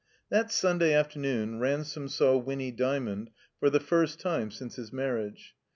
That Simday afternoon Ransome saw Winny Djrmond for the first time since his marriage.